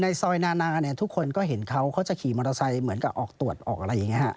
ซอยนานาเนี่ยทุกคนก็เห็นเขาเขาจะขี่มอเตอร์ไซค์เหมือนกับออกตรวจออกอะไรอย่างนี้ฮะ